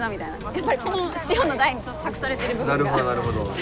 やっぱりこの師恩の代に託されてる部分が。